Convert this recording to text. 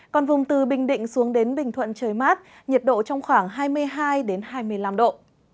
còn vùng từ bình định xuống đến bình thuận trời mát nhiệt độ trong khoảng hai mươi hai hai mươi năm độ